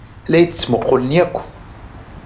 La iyi-d-ttmuqqulen akk.